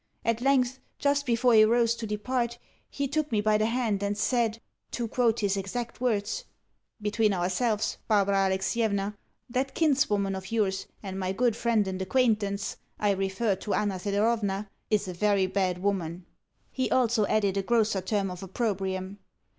At length, just before he rose to depart, he took me by the hand, and said (to quote his exact words): "Between ourselves, Barbara Alexievna, that kinswoman of yours and my good friend and acquaintance I refer to Anna Thedorovna is a very bad woman," (he also added a grosser term of opprobrium).